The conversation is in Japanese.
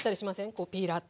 こうピーラーって。